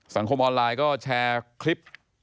สังคมออนไลน์ก็แชร์คลิป